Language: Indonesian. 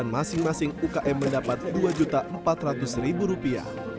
masing masing umkm mendapat dua empat juta rupiah